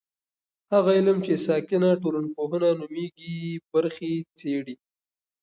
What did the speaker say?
هغه علم چې ساکنه ټولنپوهنه نومیږي برخې څېړي.